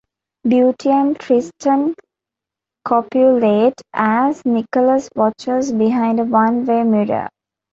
Beauty and Tristan copulate as Nicholas watches behind a one-way mirror.